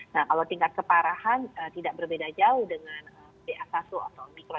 nah kalau tingkat keparahan tidak berbeda jauh dengan ba satu atau mikro